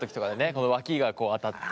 このわきがこう当たって。